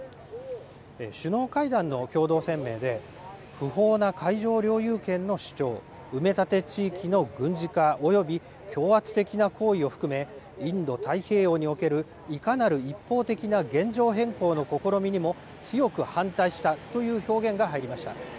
首脳会談の共同声明で、不法な海上領有権の主張、埋め立て地域の軍事化および強圧的な行為を含め、インド太平洋におけるいかなる一方的な現状変更の試みにも強く反対したという表現が入りました。